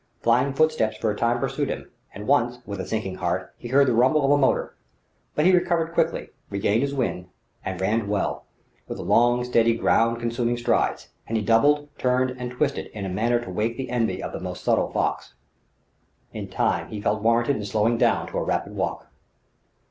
Flying footsteps for a time pursued him; and once, with a sinking heart, he heard the rumble of a motor. But he recovered quickly, regained his wind, and ran well, with long, steady, ground consuming strides; and he doubled, turned and twisted in a manner to wake the envy of the most subtle fox. In time he felt warranted in slowing down to a rapid walk.